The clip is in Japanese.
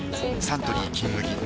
サントリー「金麦」